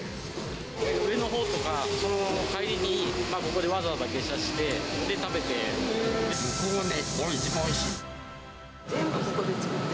上野のほうからの帰りに、ここでわざわざ下車してそれで食べて。